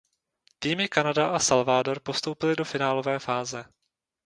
Týmy Kanada a Salvador postoupily do finálové fáze.